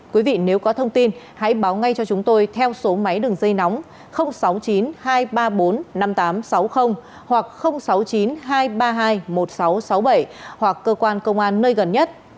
quý vị nếu có thông tin hãy báo ngay cho chúng tôi theo số máy đường dây nóng sáu mươi chín hai trăm ba mươi bốn năm nghìn tám trăm sáu mươi hoặc sáu mươi chín hai trăm ba mươi hai một nghìn sáu trăm sáu mươi bảy hoặc cơ quan công an nơi gần nhất